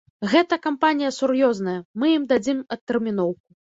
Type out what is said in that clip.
Гэта кампанія сур'ёзная, мы ім дадзім адтэрміноўку.